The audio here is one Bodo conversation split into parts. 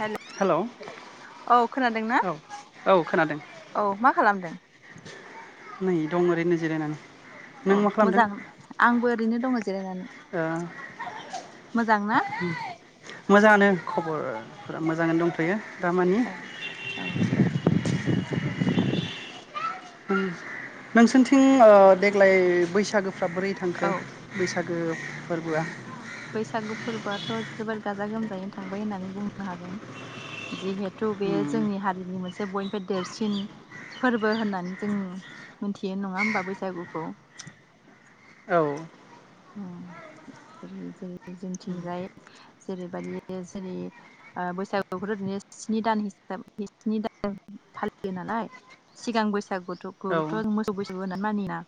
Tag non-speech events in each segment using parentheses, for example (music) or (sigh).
हेलौ औ खोनादों ना औ औ खोनादों औ मा खालामदों नै दं ओरैनो जिरायनानै नों अ मा खालामदों मोजां आंबो ओरैनो दङ जिरायनानै ओ मोजां ना मोजाङानो खबरफोरा मोजांयैनो दोंथयो दामानि औ औ दे मोजां बाथ्रा नोंसोरथिं ओ देग्लाय बैस औ (inaudible) गोब बैसागु फोरबोआथ' जोबोर गाजा गोमजायैनो थांबाय होननानै बुंनो हागोन जेहेद थु बे उम जोंनि हारिनि मोनसे बयनिफ्राय देरसिन फोरबो होननानै जों मिथियो नङा होमबा बैसागुखौ, औ ओम जेरै जेरै जोंथिंजाय जेरैबाददि जेरै ओ बैसागुखौथ' बिदिनो स्नि दान हिसाब स्नि दान फालियो नालाय सिगां औ बैसागुथखौथ' जों मोसौ बैसागु होननानै मानियोना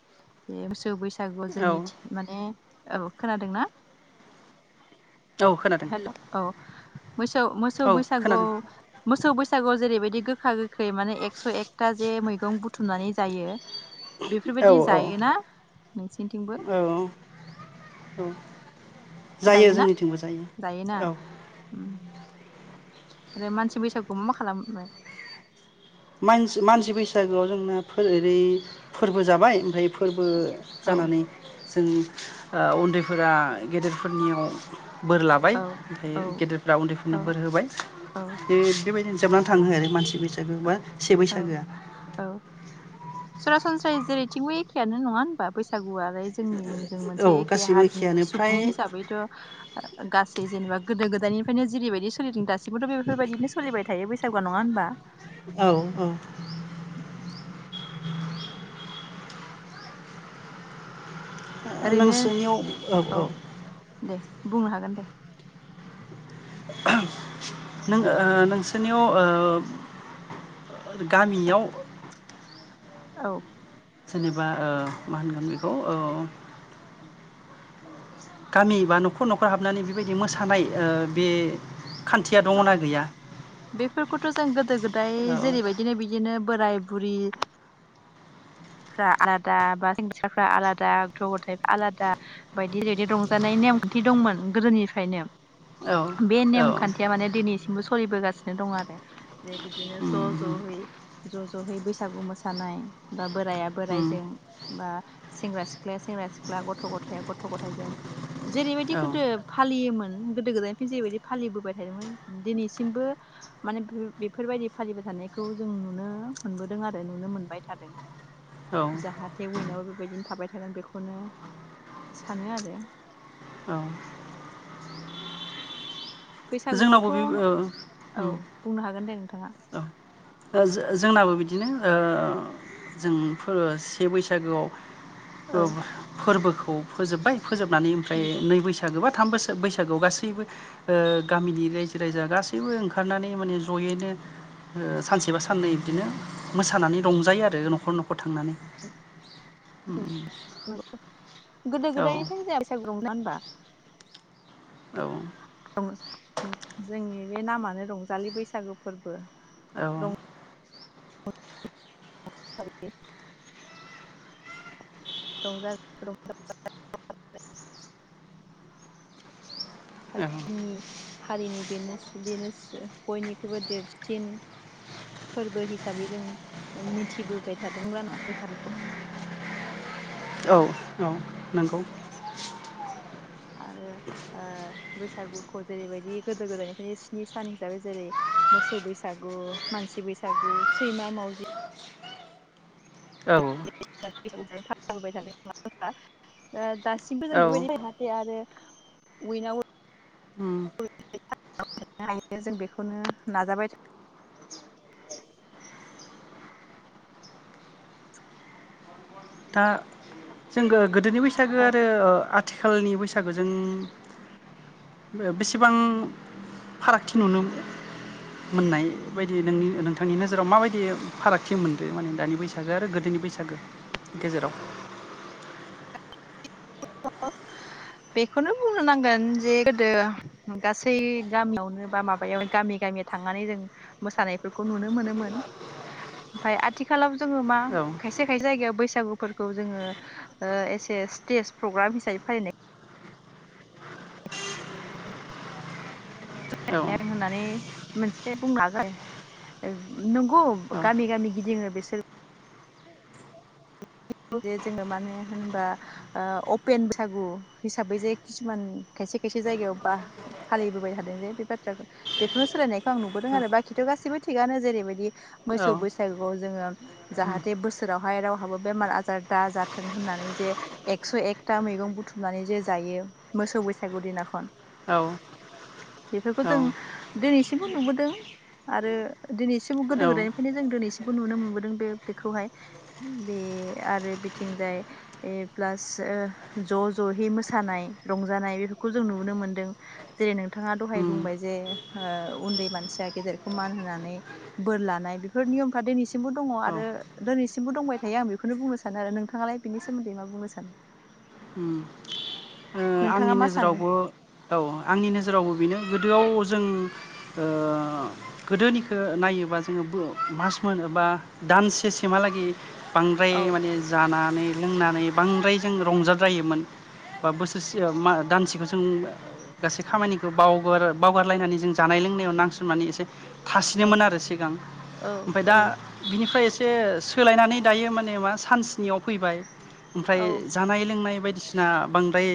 बे मोसौ बैसागुआव औ जोंनिथिं माने, औ खोनादोंना? औ खोनादों हेलौ औ। मोसौ मोसौ औ बैसागु खोनादों मोसौ बैस बैसागुआव जेरैबायदि गोखा गोखै माने एकस' एकथा जे मैगं बुथुमनानै जायो। औ बेफोरबायदि औ जायोना? नोंसिनिथिंबो। औ जायो जायोना जोंनिथिंबो जायो जायोना औ। आरो मानसि बैसागुयाव मा मा खालामो? मानसि मानसि बैसागोआव जोंना फोरै फोरबो जाबाय ओमफ्राय फोरबो औ जानानै। जों ओ उन्दैफोरा गेदेरफोरनियाव। बोर लाबाय औ ओमफ्राय औ गेदेरफ्रा उन्दैफोरनो बोर होबाय औ बे बेबायदिनो। जोबनानै थाङो ओरै मानसि बै जोबोबा। बे औ बैसागोआ। औ सरासनस्रायै जेरैथिंबो एखेआनो नङा होनबा बैसागुआ लाय जोंनि जों मोनसे औ एखे गासैबो हारिनिनो एखेयानो फ्राय सुबुं हिसाबैथ'। गासै जेनेबा गोदो गोदायनिफ्रायनो जेरैबायदि सोलिदों दासिमबोथ' बेफोरबायदिनो सोलिबाय थायो बैसागुआ नङा होनबा? औ औ। (inaudible) ओरैनो नोंसोरनियाव औ औ। दे बुंनो हागोन दे। नों ओ नोंसोरनियाव ओ। औ गामियाव। औ। जेनेबा ओ मा होनगोन बेखौ औ। गामि बा न'खर न'खर हाबनानै बेबायदि मोसानाय ओ बे। खान्थिया दङ औ ना गैया? बेफोरखौथ' जों गोदो गोदाय औ जेरैबायदिनो बिदिनो दिनो बोराय बुरि फ्रा आलादा बा सेंग्रा सिख्लाफ्रा आलादा गथ' गथाइफ्रा आलादा बायदि ओरैदि रंजानाय नेम खान्थि दंमोन गोदोनिफ्रायनो। औ बे औ नेम खान्थिया माने दिनैसिम बो सलिबोगासिनो दं आरो जे बिदिनो ज' उम जयै ज' जयै बैसागु मोसानाय बा बोराइाया उम बोराइजों बा सेंग्रा सिख्लाया सेंग्रा सिख्ला गथ' गथाइया गथ' गथाइजों जेरैबायदि औ गोदो फालियोमोन गोदो गोदायनिफ्रायनो जेरैबायदि फालिबोबाय थादोंमोन दिनैसिमबो माने बो बेफोरबायदि फालिबाय थानायखौ जों नुनो मोनबोदों आरो नुनो मोनबाय थादों। औ जाहाथे उइनावबो बेबायदिनो थाबाय थागोन बेखौनो सानो आरो। औ बैसागुआवथ' जोंनावबो बे ओ औ उम बुंनो हागोन दे नों बा ओ जो-जोंनाबो बिदिनो ओ जोंफोरो से बैसागोआव औ फोबो-फोरबोखौ खौ फोजोबबाय फोजोबनानै ओमफ्राय नंगौ नै बैसागो बा थाम बोसोर बैसागोआव गासैबो ओ गामिनि रायजो राजा गासैबो ओंखारनानै माने जयैनो ओ सानसेबा साननै बिदिनो मोसानानै रंजायो आरो नखर नखर थांनानै। (inaudible) गोदो औ गोदायनिफ्रायनो जाया बैसागु रं ना होनबा औ रं जोंनि बे नामानो रंजालि बैसागो फोरबो रं औ (inaudible) रंजालि (inaudible) आरो औ जोंनि हारिनि बेनो बेनोस बेनोस बयनिख्रुइबो देरसिन फोरबो हिसाबै जों मिथिबोबाय थादोंमोनना बैसागुखौ। औ औ नंगौ आरो ओ बैसागुखौ जेरैबायदि गोदो गोदायनिफ्रायनो स्नि सान हिसाबै जेरै मोसौ बैसागु मानसि बैसागु सैमा मावजि औ (inaudible) ओ दासिमबो जों औ बेबायदि उम (inaudible) जों बेखौनो नाजाबाय दा जों गो गोदोनि बैसागो औ आरो ओ आथि खालनि बैसागोजों बेसेबां फारागथि नुनो मोननाय बायदि नोंनि नोंथांनि नोजोराव माबायदि फारागथि मोनदों माने दानि बैसागो आरो गोदोनि बैसागो। गेजेराव बेखौनो बुंनो नांगोन जे गोदो गासै गामियावनो बा माबायाव गामि गामि थांनानै जों मोसानायफोरखौ नुनो मोनोमोन ओमफाय आथिखालाव जोङो मा औ खायसे खायसे जायगायाव बैसागुफोरखौ जोङो ओ एसे ए स्टेज प्रग्राम हिसाबै फालिनाय औ औ होननानै मोनसे (unintelligible) नंगौ गामि गामि गिदिङो बिसोर जे जोङो मानो होनबा ओ अपेन बैसागु हिसाबै जे खिसुमान खायसे खायसे जायगायाव बा फालिबोबाय थादों जे बे बाथ्रा बेखौनो सोलायनायखौ आं नुबोदों आरो बाखिथ गासैबो थिगानो जेरैबायदि मोसौ औ बैसागुआव जोङो जाहाथे बोसोरावहाय रावहाबो बेमार आ जार दा जाथों होननानै जे एकस' एकथा मैगं बुथुमनानै जे जायो मोसौ बैसागु दिनाखन। औ बेफोरखौ औ जों दिनैसिमबो नुबोदों आरो दिनैसिमबो औ गोदो गोदायनिफ्रायनो जों दिनैसिमबो नुनो मोनबोदों बे बेखौहाय बे आरो बिथिंजाय प्लास ओ ज जहै मोसानाय रंजानाय बेफोरखौ जों नुनो मोनदों जेरै नोंथाङा दहाय उम बुंबाय जे उन्दै मानसिया गेदेरखौ मान होनानै बोर लानाय बेफोर नियमफ्रा दिनैसिमबो दङ औ आरो दिनैसिमबो दंबाय थायो आं बे खौनो बुंनो सानो आरो नोंथाङालाय बिनि सोमोन्दै मा बुंनो सानो। उम नोंथाङा आंनि मा सानो नोजोरावबो औ आंनि नोजोरावबो बेनो गोदोआव जों ओ गोदोनिखो नायोबा जोङो बो मास मोन ए बा दानसेसिम हालागै बांद्राय औ माने जानानै लोंनानै बांद्राय जों रंजाद्रायोमोन बा बोसो रसे ओ मा दानसेखौ जों गासै खामानिखौ बावगार बावगारलायनानै जों जानाय लोंनायाव नांसोमनानै एसे औ थासिनोमोन आरो सिगां औ ओमफ्राय दा बिनिफ्राय एसे सोलायनानै दायो माने मा सानस्नियाव फैबाय ओमफ्राय औ जानाय लोंनाय बायदि दिसिना बां द्राय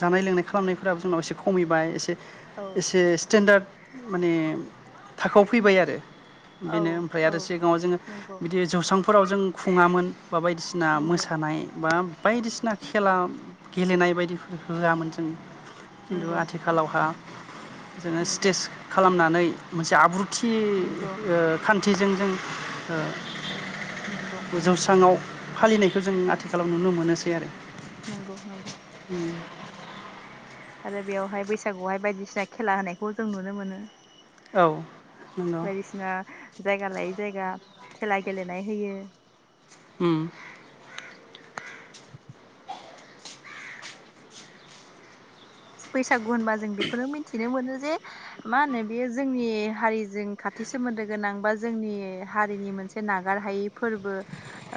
जानाय लोंनाय खालामनायफोराबो जोंनाव एसे खमिबाय एसे औ एसे स्टेेनडार्ड माने थाखोआव फैबाय आरो औ बेनो ओमफ्राय आरो औ सिगाङाव जोङो नंगौ बिदि जौस्रां फोराव जों खुङामोन बा बायदिसिना नंगौ मोसानाय बा बायदिसिना खेला गेलेनाय बायदिफोर होआमोन जों खिन्थु नंगौ आथिखालावहा जोङो नंगौ स्टेज खालामनानै मोनसे आब्रु थि नंगौ (unintelligible) नंगौ (unintelligible) जौस्राङाव फालिनायखौ जों आथिखालाव नुनो मोनोसै आरो (inaudible) नंगौ नंगौ आरो बेवहाय बैसागुआवहाय बायदिसिना खेला होनायखौ जों नुनो मोनो औ नंगौ बायदिसिना जायगा लायै जायगा खेला गेलेनाय होयो उम बैसागु होनबा जों बेखौनो मिथिनो मोनो जे मा होनो बेयो जोंनि हारिजों खाथि सोमोन्दो गोनां बा जोंनि हारिनि मोनसे नागार हायै फोरबो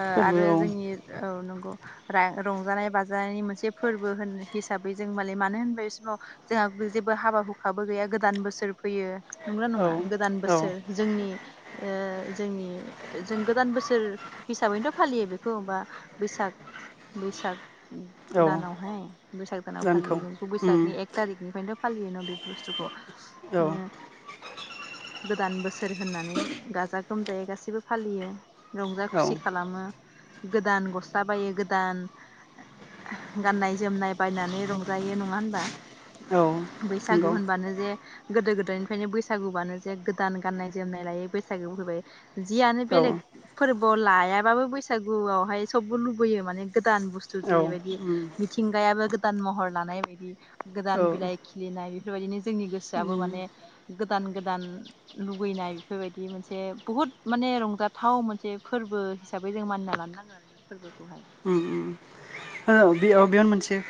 ओ फोरबो आरो जोंनि औ नं गौ रा रंजानाय बाजानायनि मोनसे फोरबो होन हिसाबै जों (unintelligible) बै समाव जोंहा जेबो हाबा हुखाबो गैया गोदान बोसोर फैयो नंगौना औ नङा गोदान औ बोसोर जोंनि ओ जोंनि जों गोदान बोसोर हिसाबैनोथ फालियो बेखौ बा बैसाग बैसाग औ दानावहाय बैसाग दानाव दानखौ फालियो जों उम बैसागनि एक थारिख बेनिफ्रायनोथ फालियो न बे बुस्थुखौ औ मानो गोदान बोसोर होननानै गाजा गोमजायै गासिबो फालियो रंजा औ खुसि खालामो गोदान गस्ला बायो गोदान गाननाय जोमनाय बायनानै रंजायो न ङा होनबा औ बैसागु नंगौ होनबानो जे गोदो गोदायनिफ्रायनो बैसागु बानो जे गोदान गाननाय जोमनाय लायो बैसागु फैबाय जियानो औ बेलेग फोरबो लायाबाबो बैसागुआवहाय सबबो लुबैयो माने गोदान बुस्थु औ जेरैबायदि उम मिथिंगायाबो गोदान महर लानाय बायदि गोदान औ बिलाइ खिलिनाय बेफोरबायदिनो जोंनि उम गोसोआबो माने गोदान गोदान लुुबैनाय बेफोरबायदि मोनसे बुहुत माने रंजाथाव मोनसे फोरबो हिसाबै जों मानिना लानो नाङो आरो बे फोरबोखौहाय औ (unintelligible)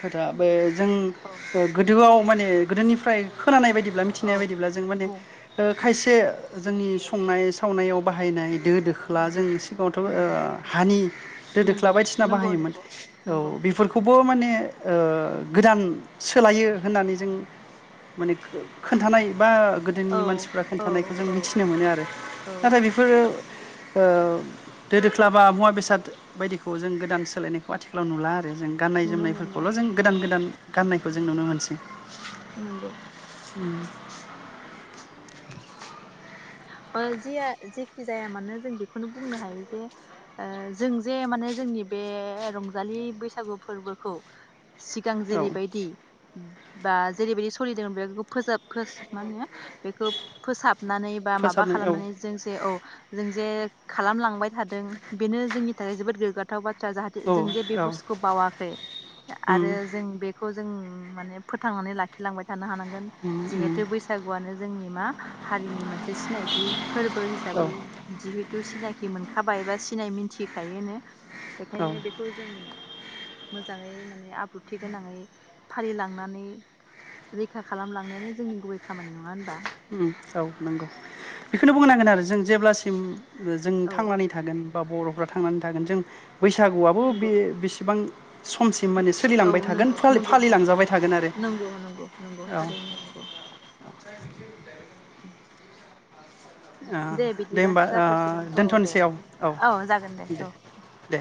खोथा बै जों औ ओ गोदोआव माने गोदोनिफ्राय खोनानाय बायदिब्ला मिथिनाय औ बायदिब्ला जों माने बुं ओ खायसे जोंनि संनाय सावनायाव बाहायनाय। दो दोख्ला नंगौ जों सिगाङावथ' नंगौ ओ हानि दो दोख्ला नंगौ बायदिसिना नंगौ बाहायोमोन नंगौ औ नंगौ ब माने ओ गोदान सोलायो होननानै जों माने खो-खोन्थानाय बा गोदोनि औ मानसिफ्रा औ खोन्थानायखौ जों औ मिथिनो मोनो आरो औ नाथाय बेफोरो ओ दो दोख्ला बा मुवा बेसाद बायदिखौ जों गोदान सोलायनायखौ आथिखालाव नुला आरो जों गाननाय नुनो मोनो जोमनायफोरखौल' जों गोदान नंगौ गोदान गाननाय खौ जों नुनो मोनसै नोंगौ (inaudible) ओ जे-जेखि जाया मानो जों बेखौनो बुंनो हायो जे ओ जों जे माने जोंनि बे रंजालि बैसागु फोरबोखौ सिगां औ जेरैबायदि बा जेरैबायदि सलिदों बेखौ फोसाब मा होनो बेखौ फोसाब नानै बा मा माबा फोसाबनाय औ खालामनानै जोंसे औ जों जे खालामलांबाय थादों बेनो जोंनि थाखाय जोबोद गोग्गाथाव बाथ्रा। जाहाथे औ जों जे बे औ बुस्थुखौ बावाखै उम आरो जों बेखौ जों माने फोथांनानै लाखिलांबाय थानो हानांगोन उम उम जिहेथु बैसागुआनो जोंनि मा हारिनि मोनसे सिनायथि। (unintelligible) फोरबो हिसाबै औ जिहु थु सिनाखि मोनखाबाय एबा सिनाय मिथिखायोनो। औ बेखायनो बेखौ जों मोजाङै माने आब्रुथि गोनाङै फालिलांनानै रैखा खालामलांनायानो जोंनि गुबै खामानि नङा होनबा? उम औ नंगौ बेखौनो बुंनांगोन आरो जों जेब्लासिम जों औ थांनानै थागोन। बा बरफ्रा थांनानै थागोन जों बैसागुआबो बे नंगौ बेसेबां समसिम माने औ सोलिलांबाय थागोन नोंगौ फालि नोंगौ नोंगौ फालिलांजाबाय थागोन आरो नोंगौ नोंगौ नोंगौ औ थारैनो नोंगौ। ओ (inaudible) दे बिदिबा होमबा ओ जाथ'सिगोन औ दे औ जागोन दे औ दे